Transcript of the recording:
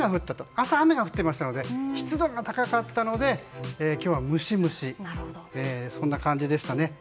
朝、雨が降っていましたので湿度が高かったので今日はムシムシそんな感じでしたね。